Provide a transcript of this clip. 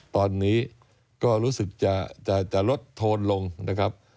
ตอนนี้ก็รู้สึกจะลดโทนลงนะครับ